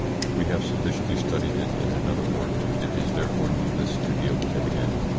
We have sufficiently studied it in another work; it is therefore needless to deal with it again.